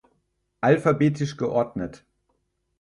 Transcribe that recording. Alphabetisch geordnet.